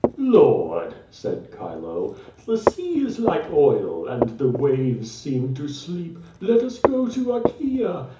"Lord,^' said Chilo, "the sea is like oil, and the waves seem to sleep;' let us go to Achaea.